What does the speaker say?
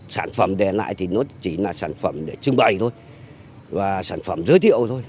sản phẩm để lại thì nó chỉ là sản phẩm để trưng bày thôi và sản phẩm giới thiệu thôi